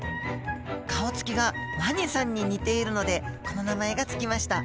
顔つきがワニさんに似ているのでこの名前が付きました